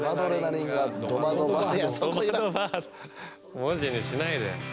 文字にしないで！